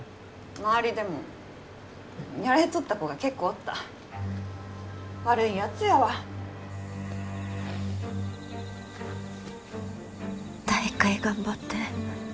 周りでもやられとった子が結構おった悪いやつやわ大会頑張って